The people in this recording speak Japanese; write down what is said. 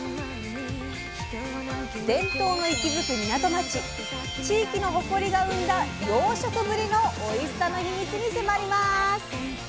伝統の息づく港町地域の誇りが生んだ養殖ぶりのおいしさのヒミツに迫ります。